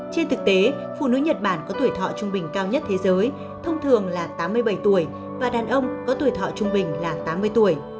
trên thực tế phụ nữ nhật bản có tuổi thọ trung bình cao nhất thế giới thông thường là tám mươi bảy tuổi và đàn ông có tuổi thọ trung bình là tám mươi tuổi